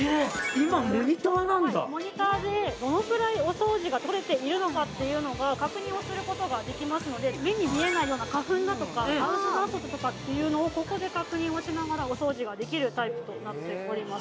今モニターなんだはいモニターでどのくらいお掃除が取れているのかというのが確認をすることができますので目に見えないような花粉だとかハウスダストとかっていうのをここで確認をしながらお掃除ができるタイプとなっております